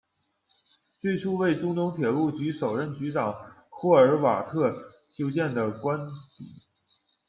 最初为中东铁路局首任局长霍尔瓦特修建的官邸。